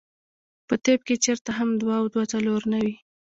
پۀ طب کښې چرته هم دوه او دوه څلور نۀ وي -